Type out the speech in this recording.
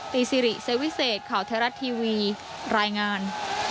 ซิริเซวิเศษข่าวไทยรัฐทีวีรายงาน